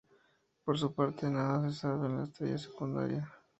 Por su parte, nada se sabe de la estrella secundaria.